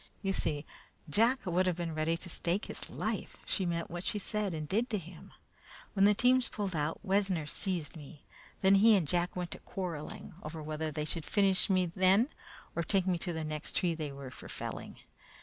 You see, Jack would have been ready to stake his life she meant what she said and did to him. When the teams pulled out, Wessner seized me; then he and Jack went to quarreling over whether they should finish me then or take me to the next tree they were for felling.